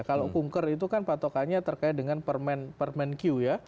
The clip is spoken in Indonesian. kalau kunker itu kan patokannya terkait dengan permen q ya